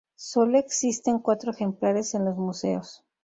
Sólo existen cuatro ejemplares en los museos.